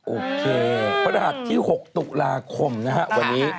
โอเคพันธาตุที่๖ตุลาคมนะครับวันนี้